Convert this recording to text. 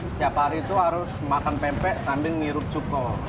setiap hari itu harus makan pempe sambil ngirup cukko